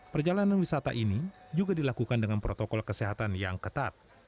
perjalanan wisata ini juga dilakukan dengan protokol kesehatan yang ketat